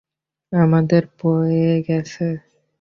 আমাদের পেয়ে গেছে।